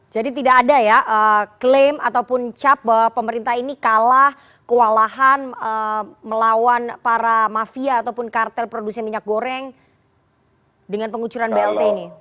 jadi tidak ada ya klaim ataupun cap pemerintah ini kalah kewalahan melawan para mafia ataupun kartel produksi minyak goreng dengan pengucuran blt ini